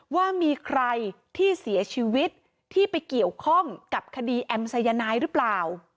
ว่ามีใครที่เสียชีวิตที่ไปเกี่ยวข้องกับคดีแอมสายนายหรือเปล่า